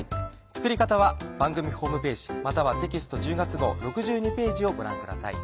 作り方は番組ホームページまたはテキスト１０月号６２ページをご覧ください。